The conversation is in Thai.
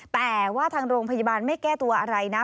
แต่ว่าทางโรงพยาบาลไม่แก้ตัวอะไรนะ